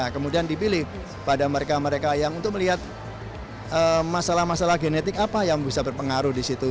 kemudian dipilih pada mereka mereka yang untuk melihat masalah masalah genetik apa yang bisa berpengaruh di situ